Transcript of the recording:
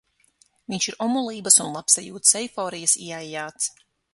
Viņš ir omulības un labsajūtas eiforijas ieaijāts.